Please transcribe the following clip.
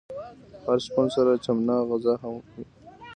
د هر شپون سره مچناغزه هم وی.